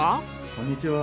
こんにちは。